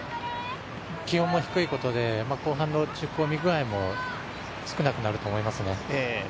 気温も低いことで、後半の落ち込みぐあいも少なくなると思いますね。